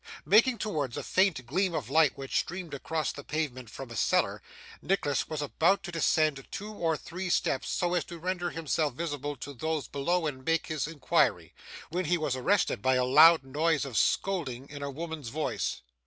Making towards a faint gleam of light which streamed across the pavement from a cellar, Nicholas was about to descend two or three steps so as to render himself visible to those below and make his inquiry, when he was arrested by a loud noise of scolding in a woman's voice.